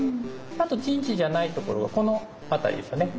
あと陣地じゃないところはこの辺りですね。